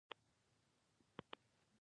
خفه او بد اخلاقه کېدل هم منفي فکرونه دي.